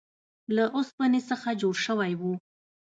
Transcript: له اوسپنې څخه جوړ شوی و.